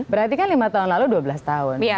berarti kan lima tahun lalu dua belas tahun